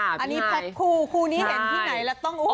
อันนี้แพ็คคู่คู่นี้เห็นที่ไหนแล้วต้อง